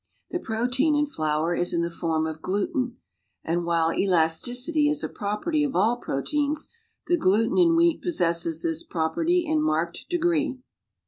The protein in flour is in the form of gluten, and while elasticity is a property of all proteins, the gluten in wheat ])ossesses this property in marked degree.